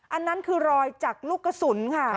อันนั้นคือรอยจากลูกกระสุนค่ะ